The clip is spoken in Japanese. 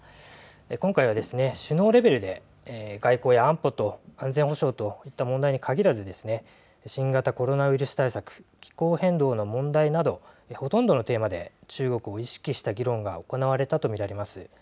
今回は首脳レベルで外交や安保と安全保障といった問題に限らず新型コロナウイルス対策気候変動の問題などほとんどのテーマで中国を意識した議論が行われたと見られます。